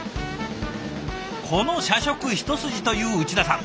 この社食一筋という内田さん。